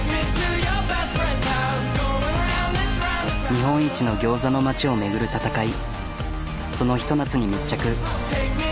日本一のギョーザの街を巡る戦いそのひと夏に密着。